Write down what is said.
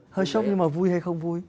hơi shock nhưng mà vui hay không vui